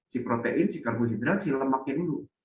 si protein si karbohidrat si lemak yang dulu